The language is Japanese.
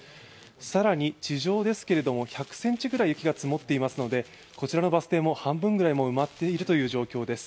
更に地上ですけれども、１００ｃｍぐらい雪が積もっていますのでこちらのバス停も半分ぐらい埋まっている状況です。